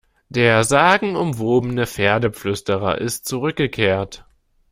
Der sagenumwobene Pferdeflüsterer ist zurückgekehrt!